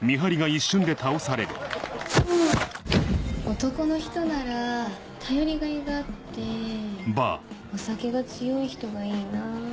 男の人なら頼りがいがあってお酒が強い人がいいな。